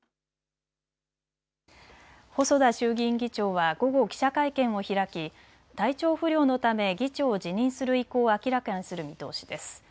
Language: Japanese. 細田衆議院議長は午後記者会見を開き体調不良のため議長を辞任する意向を明らかにする見通しです。